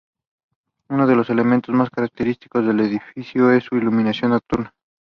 Uno de los elementos más característicos del edificio es su iluminación nocturna.